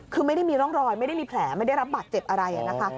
คือไม่ได้มีร่องรอยไม่ได้มีแผลไม่ได้รับบาดเจ็บอะไรนะคะ